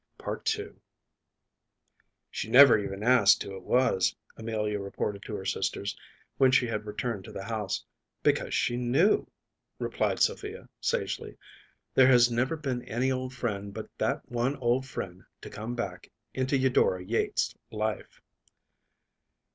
PART II “She never even asked who it was,‚ÄĚ Amelia reported to her sisters, when she had returned to the house. “Because she knew,‚ÄĚ replied Sophia, sagely; “there has never been any old friend but that one old friend to come back into Eudora Yates’s life.